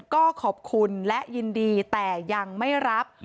ก็ขอบคุณและยินดีแต่ยังไม่รับ